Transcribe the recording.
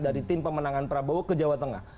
dari tim pemenangan prabowo ke jawa tengah